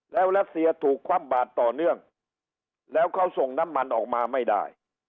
แล้วรัสเซียถูกคว่ำบาดต่อเนื่องแล้วเขาส่งน้ำมันออกมาไม่ได้